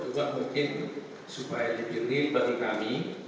juga mungkin supaya lebih real bagi kami